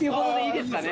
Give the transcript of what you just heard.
いいですよね。